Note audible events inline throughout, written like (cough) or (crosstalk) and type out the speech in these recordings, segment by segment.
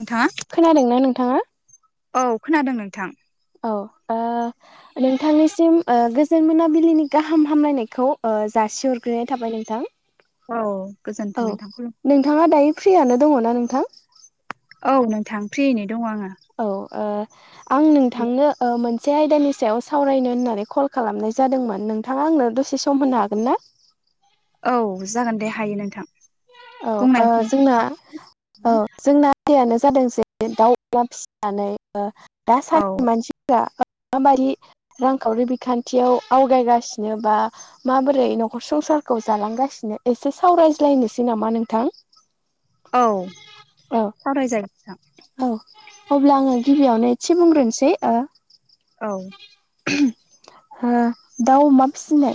नोंथांङा खोनादोंना नोंथांङा? औ खोनादों नोंथां। औ ओ नोंथांनिसिम गोजोन मोनाबिलिनि गाहाम हामलायनायखौ जासिहरग्रोनाय थाबाय नोंथां। औ गोजोन्थों नोंथां। नोंथांङा दायो फ्रियनो दंङोना नोंथां? औ नोंथां फ्रियैनो दंङो आंङो। औ ओ आं नोंथांनो मोन मोनसे आयदानि सायाव सावरायनो होननानै कल खालामनाय जादोंमोन नोंथाङा आंनो दसे सम होनो हागोन ना। औ जागोन दे हायो नोंथां। औ ओ बुंनायखौ जोंना औ जोंना (unintelligible) नो जादों जे दाउ अमला फिसिनानै दासानदि औ मानसि माबायि रांखावरि बिखान्थियाव आवगायगासिनो बा माबोरै न'खर संसारखौ जालांगासिनो एसे सावरायज्लायनोसै नामा नोंथां। औ औ सावरायजागोन नोंथां। औ अब्ला आंङो गिबियावनो एसे बुंग्रोनोसै ओ औ दाउ अमा फिसिनाय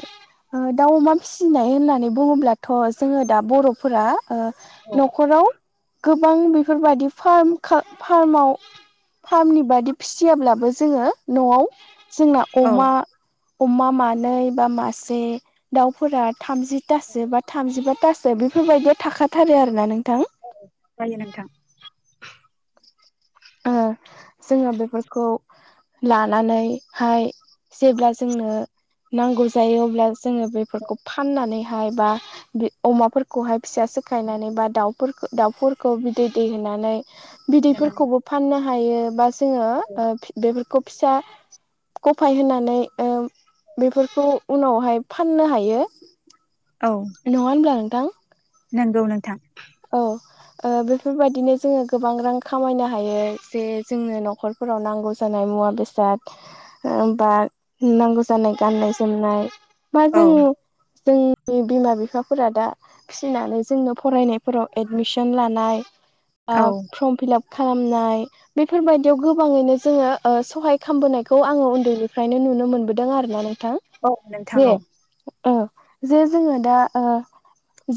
दाउ अमा फिसिनाय होननानै बुङोब्लाथ' जोंङो दा बर'फोरा ओ औ न'खराव गोबां बेफोरबायदि फार्म खा फार्माव फार्मनि बादि फिसियाब्लाबो जोङो न'आव जोंना औ अमा अमा मानै बा मासे दाउफोरा थामजिथासो बा थामजिबााथासो बेफोरबायदिया थाखाथारो आरोना नोंथां। जायो नोंथां। ओ जोङो बेफोरखौ लानानैहाय जेब्ला जोंनो नांगौ जायो अब्ला जोङो बेफोरखौ फाननानैहाय बा अमाफोरखौहाय फिसा सोखायनानै बा दाउफोरखो दाउफोरखौ बिदै दैहोनानै बिदैफोरखौबो फाननो हायो बा जोङो बेफोरखौ फिसा गफाय होनानै ओ बेफोरखौ उनावहाय फाननो हायो औ नङा होमब्ला नोंथां। नंगौ नोंथां औ ओ बेफोरबायदिनो जोङो गोबां रां खामायनो हायो जे जोंनो न'खर फोराव नांगौ जानाय मुवा बेसाद होमबा नांगौ जानाय गाननाय जोमनाय मा औ जों जोंनि बिमा बिफाफोरा दा फिसिनानै जोंनो फरायनाय फोराव एडमिसन लानाय औ फर्म फिलाप खालामनाय बेफोरबायदियाव गोबाङैनो जोङो ओ सहाय खालामबोनायखौ आङो उन्दैनिफ्रायनो नुनो मोनबोदों आरोना नोंथां औ नोंथां जे औ ओ जे जोङो दा ओ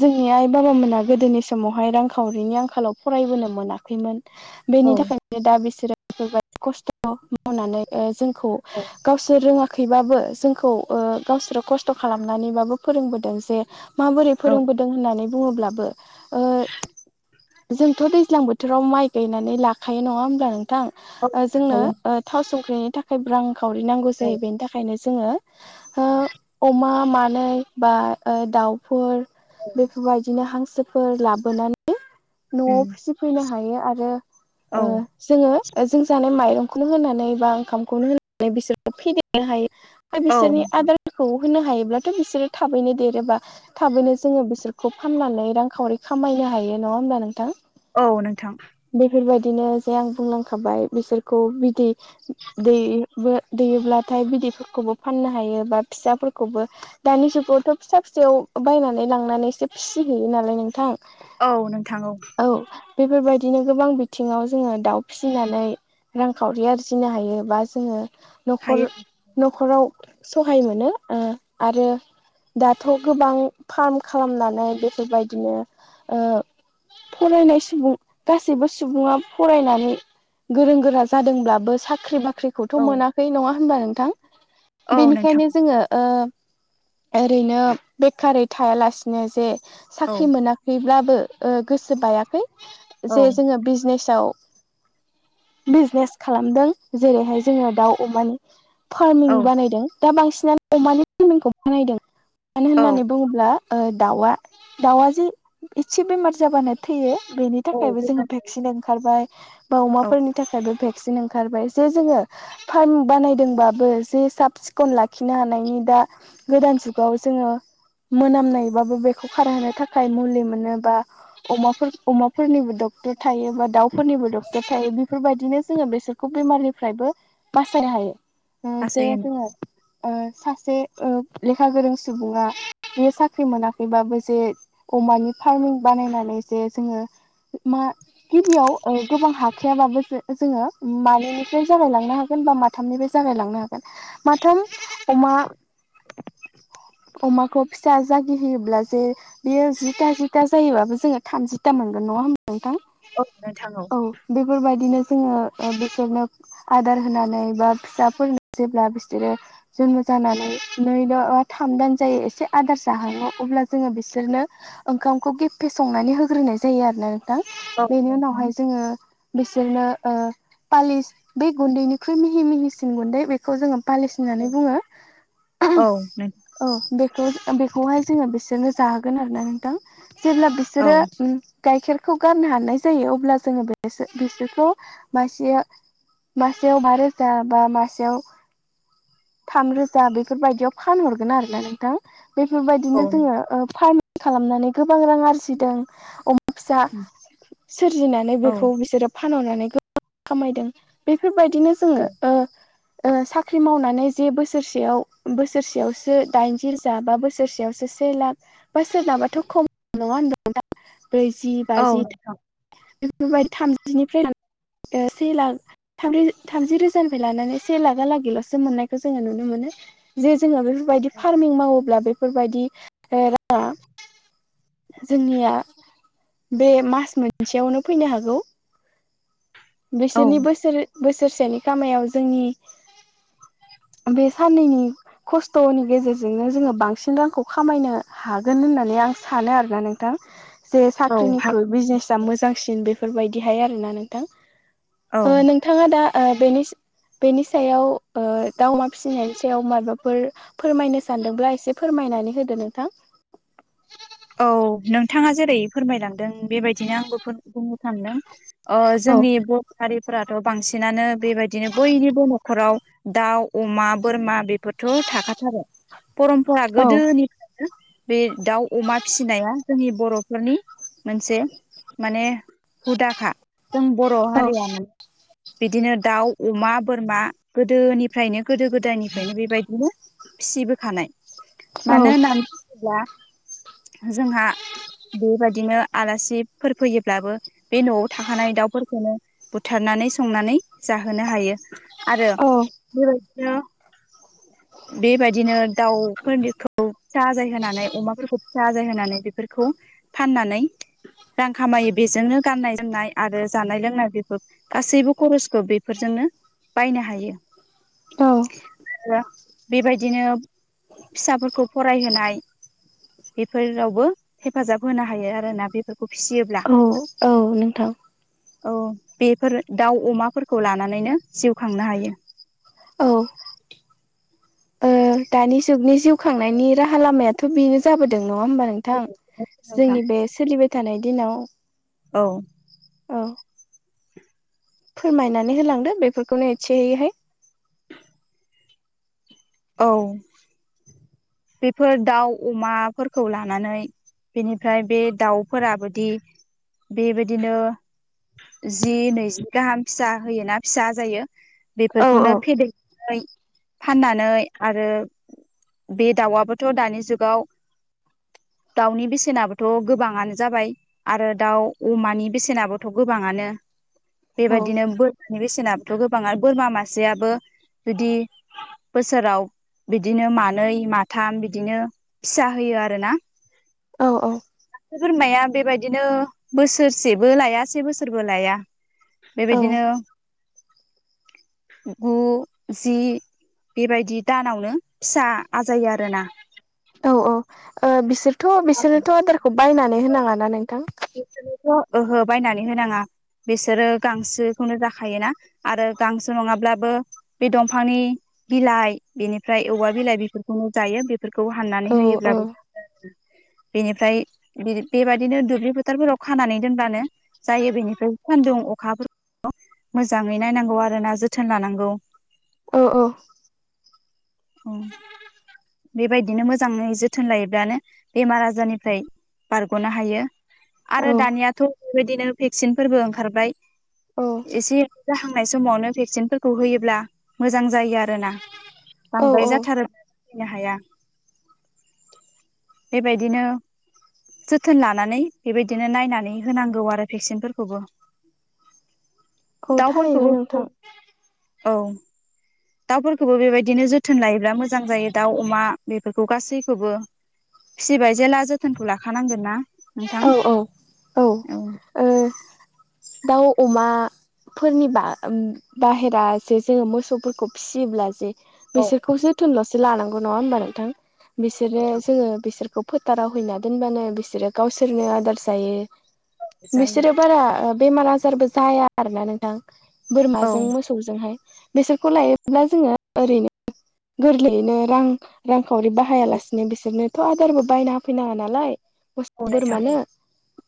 जोंनि आइ बाबामोना गोदोनि समावहाय रांखावरिनि आंखालाव फरायबोनो मोनाखैमोन औ बेनि थाखायनो दा बिसोरो बेफोरबायदि जोबोद खस्थ मावनानै जोंखौ औ गावसोर रोङा खैबाबो जोंखौ ओ गावसोरो खस्थ खालामनानैबाबो फोरोंबोदों जे माबोरै फोरोंबोदों होननानै बुङोब्लाबो ओ जोंथ दैज्लां बोथोराव माइ गायनानै लाखायो नङा होमब्ला नोंथां औ ओ जोंनो ओ थाव संख्रिनि थाखाय रां खावरि हायो नांगौ औ जायो बेनि थाखायनो जोङो ओ अमा मानै बा ओ दाउफोर औ बेफोरबायदिनो हांसोफोर लाबोनानै न'आव उम फिसिफैनो हायो आरो औ ओ जोङो जों जानाय माइरंखौनो होनानै बा ओंखामखौनो होनानै बिसोरखौ फेदेर हायो ओमफ्राय औ बिसोरनि आदारखौ होनो हायोब्लाथ बिसोरो थाबैनो देरोबा थाबैनो जोङो बिसोरखौ फाननानै रांखावरि खामायनो हायो नङा होमब्ला नोंथां औ नोंथां बेफोरबायदिनो जे आं बुंलांखाबाय बिसोरखौ बिदै दै दैयोब्लाथाय बिदैफोरखौबो फाननो हायो बा फिसाफोरखौबो दानि जुगावथ फिसा फिसायाव बायनानै लांनानै सो फिसिहैयो नालाय नोंथां औ नोंथां औ औ बेफोरबायदिनो गोबां बिथिङाव जोङो दाउ फिसिनानै रांखावरि आरजिनो हायो बा जोङो न'खर हायो न'खराव सहाय मोनो ओ आरो दाथ गोबां फार्म खालामनानै बेफोरबायदिनो ओ फरायनाय सुबुं गासैबो सुबुङा फरायनानै गोरों गोरा जादोंब्लाबो साख्रि बाख्रि खौथ औ मोनाखै नङा होनबा नोंथां औ नोंथां बेनिखायनो जोङो ओ ओरैनो बेखारै थायालासिनो जे औ साख्रि मोना‌ खैब्लाबो ओ गोसो बायाखै औ जे जोङो बिजनेसाव बिजनेस खालामदों जेरैहाय जोङो दाउ अमानि औ फार्मिं बानायदों दा बांसिनानो अमानि फार्मिंखौ बानायदों मानो औ होननानै बुङोब्ला ओ दाउआ दाउआ जे एसे बेमार जाबानो थैयो बेनि थाखायबो औ जोङो भेक्सिन ओंखारबाय बा औ अमाफोरनि नि थाखायबो भेक्सिन ओंखारबाय जे जोङो फार्म बानायदोंबाबो जे साब सिखन लाखिनो हानायनि दा गोदान जुगाव जोङो मोनामनायबाबो बेखौ खारहोनो थाखाय मुलि मोनो बा अमाफोर अमाफोरनिबो डक्टर थायो बा दाउफोरनिबो डक्टर थायो बेफोरबायदिनो जोङो बेसोर बेमारनिफ्रायबो बासायनो हायो जे गासै होन जोङो ओ सासे ओ लेखा गोरों सुबुङा बेयो साख्रि मोनाखैबाबो जे अमानि फार्मिं बानायनानै जे जोङो मा गिबियाव ओ गोबां हाखायाबाबो जोङो मानैनिफ्राय जागायलांनो हागोन बा माथा थामनिफ्राय जागाय लांनो हागोन माथाम अमा अमाखौ फिसा जागि होयोब्ला जे बेयो जिथा जि था जायोबाबो जोङो थामजिथा मोनगोन नङा ह नोंथां औ नोंथां औ बेफोरबायदिनो जोङो बिसोरनो आदार होनानै बा फिसाफोर जेब्ला बिसोरो जन्म जानानै नै बा थाम दान जायो एसे आदार जाहाङो अब्ला जोङो बिसोरनो ओंखामखौ गेफे संनानै होग्रोनाय जायो आरोना नोंथां औ बेनि नोंथां उनावहाय जोङो बिसोरनो पालिस बे गुन्दैनिख्रुइ मिहि मिहिसिन गुन्दै बे खौ जोङो औ होननानै बुङ नों औ बेखौ बेखौहाय जोङो बिसोरनो जाहोगोन आरो ना नोंथां जेब्ला औ बिसोरो गाइखेरखौ गारनो हानाय जायो अब्ला जोङो बेस बिसोरखौ मासेया मासेयाव बा रोजा बा मासेयाव थामरोजा बेफोरबायदियाव फानहरगोन आरोना नोंथां औ बेफोरबायदिनो जोङो फार्मि खालामनानै गोबां रां आरजिदों फिसा सोरजिनानै बेखौ बिसोरो फानहनानै खामायदों बेफोरबायदिनो जोङो ओ साख्रि मावनानै जे बोसोरसेयाव बोसोरसेयावसो दाइनजि रोजा बा बोसोरसेयावसो से लाख बा सोरनाबाथ' खम नङा होनबा नोंथां ब्रैजि औ बाजि बेफोरबाय थामजिनिफ्राय से लाख थाम थामजि रोजानिफ्राय लानानै से लाखा लागैलसो मोननायखौ जोङो नुनो मोनो जे जोङो बेफोरबायदि फार्मिं मावोब्ला बेफोरबायदि राङा जोंनिया बे मास मोनसेयावनो फैनो हागौ औ बिसोरनि बोसोर बोसोरसेनि खामायाव जोंनि बे साननैनि खस्थनि गेजेरजोंनो जोङो बांसिन रांखौ खामायनो हागोन होननानै आं स सानो आरोना नोंथां जे औ हा साख्रिनिख्रुइ बिजनेस मोजांसिन बेफोरबायदिहाय आरोना औ नोंथां नोंथाङा दा बेनि बेनि सायाव ओ दाउ अमा फिसिनायनि सायाव मायाबाफोर फोरमायनो सानदोंब्ला एसे फोरमायनानै होदो नोंथां औ नोंथाङा जेरै फोरमायलांदों बेबायदिनो आंबो बुंनो सानदों औ जोंनि बर' हारि बांसिनानो बेबायदिनो बयनिबो न'खराव दाउ अमा बोरमा बे फोरथ थाखाथारो परमपरा औ गोदोनिफ्रायनो बे दाउ अमा फिसिनाया जोंनि बर'फोरनि मोनसे माने हुदाखा जों बर' औ हारिया म बिदिनो दाउ अमा बोरमा गोदोनिफ्रायनो गोदो गोदायनिफ्रायनो बेबायदिनो फिसिबोखानाय औ मानो होननानै बुङोब्ला जोंहा बेबायदिनो आलासिफोर फैयोब्लाबो बे न'आव थाखानाय दाउफोरखौनो बुथारनानै संनानै जाहोनो हायो आरो औ बेबायदिनो बेबायदिनो दाउफोरनिखौ फिसा आजाय होनानै अमाफोरखौ फिसा आजाय होनानै बेफोरखौ फाननानै रां खामायो बेजोंनो गाननाय जोमनाय आरो जानाय लोंनाय बेफोर गासैबो खरसखौ बेफोरजोंनो बायनो हायो औ (unintelligible) बेबायदिनो फिसाफोरखौ फरायहोनाय बेफोरावबो हेफाजाब होनो हायो आरोना बेफोरखौ फिसियोब्ला औ औ नोंथां औ बेफोर दाउ अमाफोरखौ लानानैनो जिउ खांनो हायो औ दानि जुगनि जिउ खांनायनि राहा लामायाथ बेनो जाबोदों नङा होमबा नों थां नोंथां जोंनि बे सोलिबाय थानाय दिनाव औ औ फोरमायनानै होलांदो बेफोरखौनो एसेयैहाय औ बेफोर दाउ अमाफोरखौ लानानै बेनिफ्राय बे दाउफोराबदि बेबायदिनो जि नैजि गाहाम फिसा होयोना फिसा आजायो औ औ बेफोरखौनो फेदेरनानै फाननानै आरो बे दाउआबोथ' दानि जुगाव दाउनि बेसेनाबोथ' गोबाङानो जाबाय आरो दाउ अमानि बेसेनाबोथ' गोबाङानो औ बेबायदिनो बो नि बेसेनाथ' गोबां आरो बोरमा मासेयाबो जुदि बोसोराव बिदिनो मान नैै माथाम बिदिनो फिसा होयो आरो ना औ औ खायसे बोरमाया बेबायदिनो बोसोरसेबो लाया से बोसोरबो लाया औ बेबायदिनो गु जि बेबायदि दानावनो फिसा आजायो आरोना औ औ ओ बिसोरथ' बिसोरनोथ' आदारखौ बायनानै होनाङाना नोंथां बिसोरनोथ' ओहो बायनानै होनाङा बिसोरो गांसोखौनो जाखायोना आरो गांसो नङाब्लाबो बे दंफांनि बिलाइ बेनिफ्राय औवा बिलाइ बेफोरखौनो जायो बे फोरखौ हाननानै औ औ होयोब्लाबो बेनिफ्राय बेबायदिनो दुब्लि फो थारफोराव खानानै दोनब्लानो जायो बेनिफ्राय सान्दुं अखाफोरखौ मोजाङै नायनांगौ आरोना जोथोन लानांगौ औ औ अ बेबायदिनो मोजाङै जोथोन लायोब्लानो बेमार आजारनिफ्राय बारग'नो हायो आरो औ दानियाथ' बेबायदिनो भेक्सिनफोरबो ओंखारबाय औ एसे जाहांनाय समावनो भेक्सिनफोरखौ होयोब्ला मोजां जायो आरोना औ बांद्राय औ जाथारो नो हाया बेबायदिनो जोथोन लानानै बेबायदिनो नायनानै होनांगौ आरो भेक्सिनफोरखौबो औ थारैनो दाउफोरखौबो नोंथां औ दाउफोरखौबो बेबायदिनो जोथोन लायोब्ला मोजां जायो दाउ अमा बेफोरखौ गासैखौबो फिसिबाय जेला जोथोनखौ लाखानांगोन ना औ नोंथां औ औ ओ दाउ अमा फोरनि बा बाहेर जे जोंङो मोसौफोरखौ फिसियोब्ला जे औ बिसोरखौसो जोथोनल' लानांगौ नंङा होमबा नोंथां बिसोरो जोंङो बिसोरखौ बेखौ फोथाराव हैना दोनबानो बिसोरो गावसोरनो आदार जायो जायो बिसोरो बारा बेमार आजारबो जाया आरोना नोंथां औ बोरमाजों मोसौ मोसौजोंहाय बेसोरखौ लायोब्ला जोंङो ओरैनो गोरलैयैनो रां रांखावरि बाहायालासिनो बिसोरनोथ' आदारबो बायना होफैनाङा नालाय औ मोसौ नोंथां बोरमानो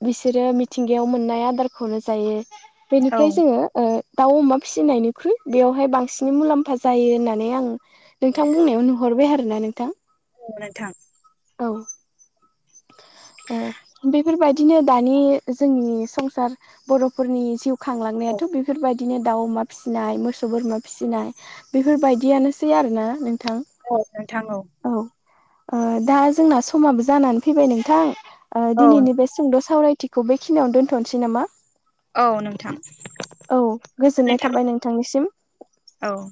बिसोरो मिथिंगायाव मोननाय आदारखौनोजायो औ बेनिफ्राय जोंङो दाउ अमा फिसिनायनिख्रुइ बेवहाय बांसिन मुलाम्फा जायो होननानै आं नोंथां बुंनायाव नु हरबाय आरोना नोंथां औ नोंथां औ बेफोरबायदि बिदिनो दानि जोंनि संसार बर'फोरनि जिउ औ खांलांनायाथ' बेफोरबायदि बिदिनो दाउ अमा फिसिनाय मोसौ बोरमा फिसिनाय बेफोरबायदियानोसै आरोोना नोंथां औ नोंथां औ औ ओ दा जोंना समाबो जानानै फैबाय नोंथां औ दिनैनि बे सुंद' सावरायथिखौ बेखिनियावनो दोन्थ'नोसै नामा? औ नोंथां औ गोजोननाय थाबाय नोंथांनिसिम औ